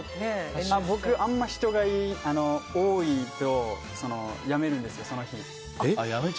僕、あまり人が多いとやめるんですよ、その日。